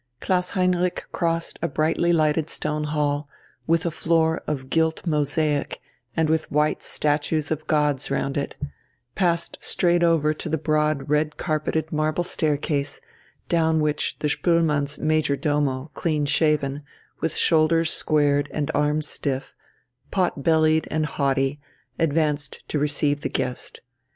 Klaus Heinrich crossed a brightly lighted stone hall, with a floor of gilt mosaic and with white statues of gods round it, passed straight over to the broad red carpeted marble staircase, down which the Spoelmanns' major domo, clean shaven, with shoulders squared and arms stiff, pot bellied and haughty, advanced to receive the guest.